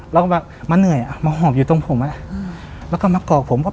แล้วก็แบบมาเหนื่อยอ่ะมาหอบอยู่ตรงผมอ่ะอืมแล้วก็มากรอกผมว่า